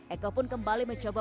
eko pun kembali mencoba